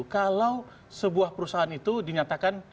kalau sebuah perusahaan itu dinyatakan